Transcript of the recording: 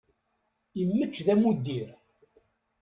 Imečč d amuddir.